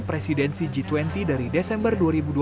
presidensi g dua puluh dari desember dua ribu dua puluh